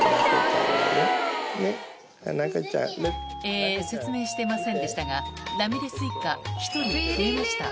えぇ説明してませんでしたがラミレス一家１人増えました